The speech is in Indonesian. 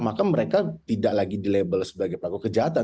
maka mereka tidak lagi dilabel sebagai pelaku kejahatan